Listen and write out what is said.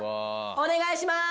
お願いします！